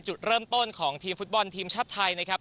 จุดเริ่มต้นของทีมฟุตบอลทีมชัดไทย